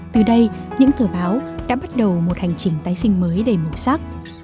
từ đây những tờ báo đã bắt đầu một hành trình tái sinh mới đầy màu sắc